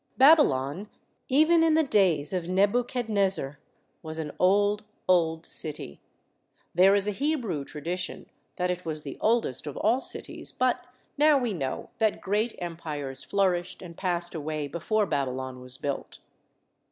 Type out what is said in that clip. Babylon, even in the days of Nebuchadnezzar, was an old, old city. There is a Hebrew tradition that it was the oldest of all cities, but now we know that great empires flourished and passed away before Babylon was built.